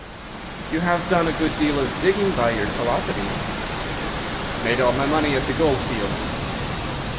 "'You have done a good deal of digging by your callosities.' "'Made all my money at the gold fields.